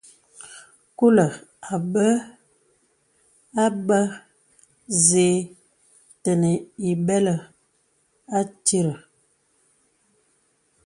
Kūlə̀ a bə̀ a bə̀ zə̄ə̄ tenə̀ ìbɛlə̀ àtirə̀.